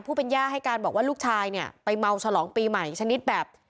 ย่าให้การบอกว่าลูกชายเนี่ยไปเมาฉลองปีใหม่ชนิดแบบ